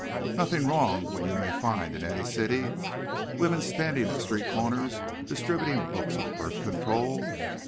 Nothing wrong when you may find in any city women standing at street corners distributing booklets on birth control?